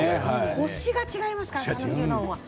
こしが違いますからさぬきうどんは。